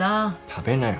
食べなよ。